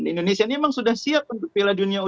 indonesia ini memang sudah siap untuk piala dunia u dua